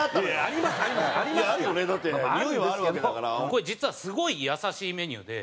これ実はすごい優しいメニューで。